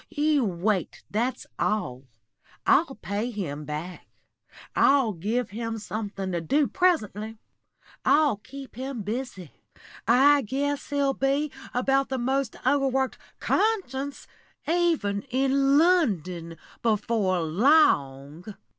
You wait, that's all. I'll pay him back; I'll give him something to do presently! I'll keep him busy. I guess he'll be about the most over worked conscience, even in London, before long."